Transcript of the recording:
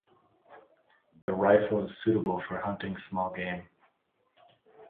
This rifle is suitable for hunting small game.